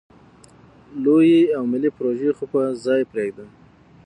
لویې او ملې پروژې خو په ځای پرېږده.